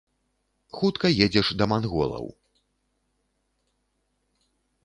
Хутка едзеш да манголаў.